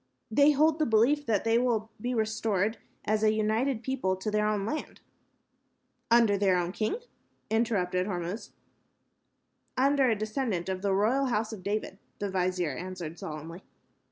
"They hold the belief that they will be restored as a united people to their own land." "Under their own king?" interrupted Hormuz. "Under a descendant of the royal House of David," the vizier answered, solemnly.